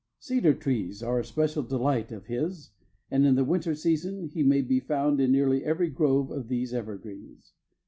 Cedar trees are a special delight of his and, in the winter season, he may be found in nearly every grove of these evergreens.